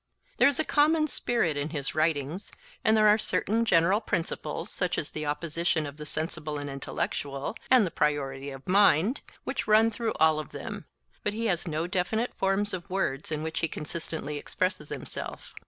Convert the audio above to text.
There is a common spirit in his writings, and there are certain general principles, such as the opposition of the sensible and intellectual, and the priority of mind, which run through all of them; but he has no definite forms of words in which he consistently expresses himself.